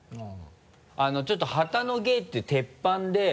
ちょっと旗の芸っていう鉄板で。